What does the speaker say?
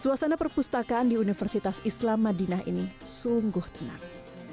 suasana perpustakaan di universitas islam madinah ini sungguh tenang